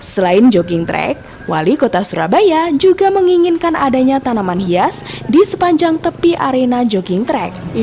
selain jogging track wali kota surabaya juga menginginkan adanya tanaman hias di sepanjang tepi arena jogging track